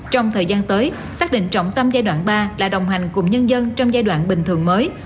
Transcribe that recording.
trong thời gian tới xác định trọng tâm giai đoạn ba là đồng hành cùng nhân dân trong giai đoạn bình thường mới